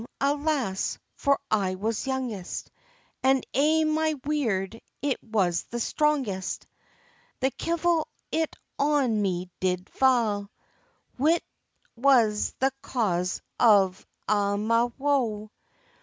alas, for I was youngest, And aye my weird it was the strongest! The kevil it on me did fa', Whilk was the cause of a' my woe.